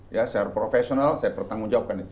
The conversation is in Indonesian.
ya secara profesional saya bertanggung jawabkan itu